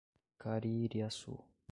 Caririaçu